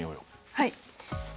はい。